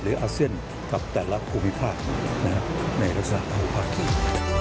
หรืออาเซียนกับแต่ละควบิภาคในลักษณะที่มีความหมาย